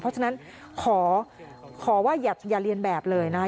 เพราะฉะนั้นขอว่าอย่าเรียนแบบเลยนะคะ